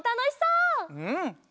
うん！